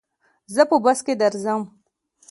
زه په بس کي درځم.